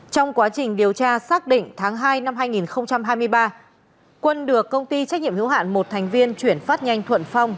trong quá trình điều tra xác định tháng hai năm hai nghìn hai mươi ba quân được công ty trách nhiệm hữu hạn một thành viên chuyển phát nhanh thuận phong